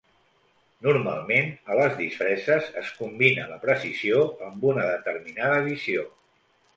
Normalment, a les disfresses, es combina la precisió amb una determinada visió.